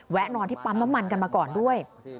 แวะนอนที่ปั๊มมันกันมาก่อนด้วย